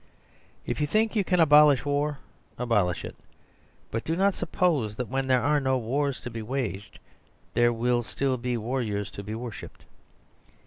If you think you can abolish war, abolish it ; but do not suppose that when there are no wars to be waged, there will still be warriors to be worshipped.